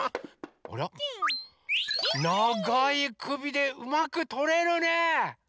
あらながいくびでうまくとれるね。